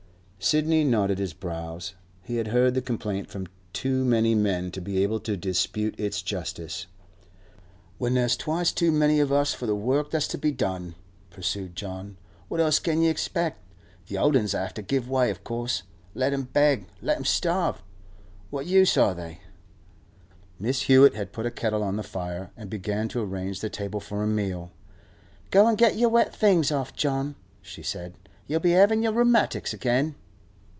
Sidney knitted his brows. He had heard the complaint from too many men to be able to dispute its justice. 'When there's twice too many of us for the work that's to be done,' pursued John, 'what else can you expect? The old uns have to give way, of course. Let 'em beg; let 'em starve! What use are they?' Mrs. Hewett had put a kettle on the fire, and began to arrange the table for a meal. 'Go an' get your wet things off, John,' she said. 'You'll be havin' your rheumatics again.